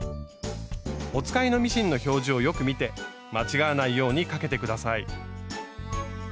お使いのミシンの表示をよく見て間違わないようにかけて下さい。